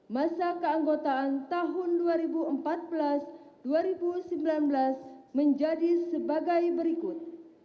masa keanggotaan tahun dua ribu empat belas dua ribu sembilan belas menjadi sebagai berikut